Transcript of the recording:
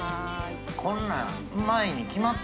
こんなん。